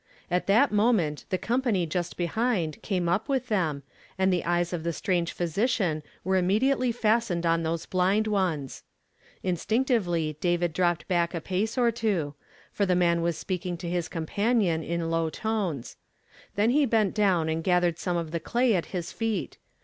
At that moment the com pany just behind, came up with them, and the eyes of the stran^n' physician were innnediately fasten<'d on those blind ones. Instinctively David dropi)ed hack a ])ace or two, for the man was s[)eakinj^ to his companion in low tones. Then he bent down and gathered some of the clay at his feet.